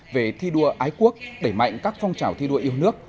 về thi đua ái quốc đẩy mạnh các phong trào thi đua yêu nước